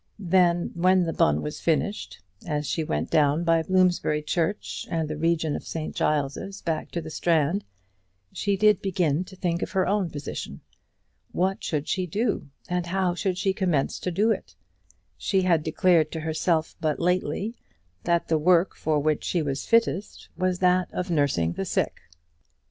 Then, when the bun was finished, as she went down by Bloomsbury church and the region of St Giles's back to the Strand, she did begin to think of her own position. What should she do, and how should she commence to do it? She had declared to herself but lately that the work for which she was fittest was that of nursing the sick.